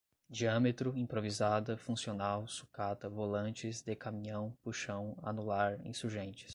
diâmetro, improvisada, funcional, sucata, volantes, decaminhão, puxão, anular, insurgentes